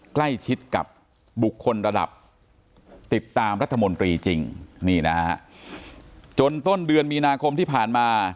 ใกล้ชิดกับบุคคลระดับติดตามรัฐมนตรีจริงนี่นะฮะจนต้นเดือนมีนาคมที่ผ่านมา